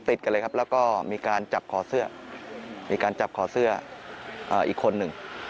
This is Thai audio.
ตรงนี้รอยขึ้นมาพร้อมกัน